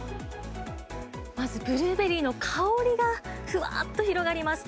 まずブルーベリーの香りがふわっと広がります。